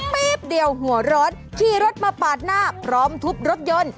แป๊บเดียวหัวร้อนขี่รถมาปาดหน้าพร้อมทุบรถยนต์